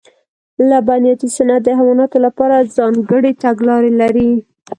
لبنیاتي صنعت د حیواناتو لپاره ځانګړې تګلارې لري.